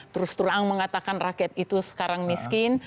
terus terang mengatakan rakyat itu sekarang miskin